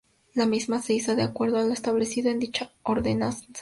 La misma se iza de acuerdo a lo establecido en dicha Ordenanza.